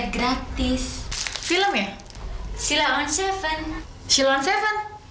gak mau yaudah